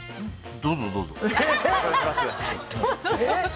どうぞどうぞ。